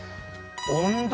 温度。